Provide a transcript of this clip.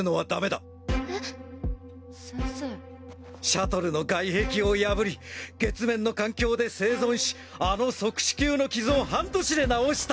シャトルの外壁を破り月面の環境で生存しあの即死級の傷を半年で治した！